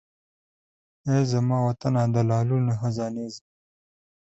ای زما وطنه د لعلونو خزانې زما!